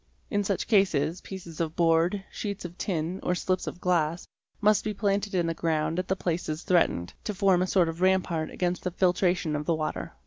In such cases, pieces of board, sheets of tin, or slips of glass, must be planted in the ground at the places threatened, to form a sort of rampart against the filtration of the water.